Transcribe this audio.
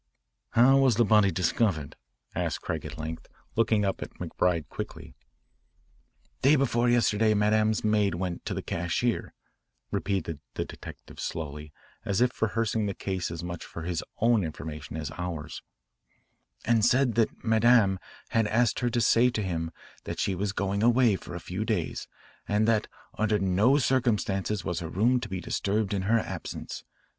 "How was the body discovered?" asked Craig at length, looking up at McBride quickly. "Day before yesterday Madame's maid went to the cashier," repeated the detective slowly as if rehearsing the case as much for his own information as ours, "and said that Madame had asked her to say to him that she was going away for a few days and that under no circumstances was her room to be disturbed in her absence.